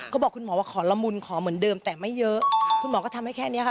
เขาบอกคุณหมอว่าขอละมุนขอเหมือนเดิมแต่ไม่เยอะคุณหมอก็ทำให้แค่นี้ค่ะ